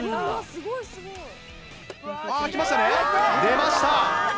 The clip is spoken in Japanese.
出ました！